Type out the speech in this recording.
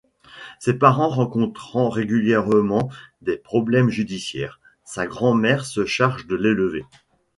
Ses parents rencontrant régulièrement des problèmes judiciaires, sa grand-mère se charge de l'élever.